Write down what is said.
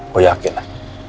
gue yakin lah